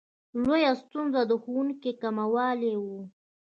لویه ستونزه د ښوونکو کموالی و.